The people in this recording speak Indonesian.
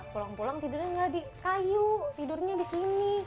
pulang pulang tidurnya di kayu tidurnya di sini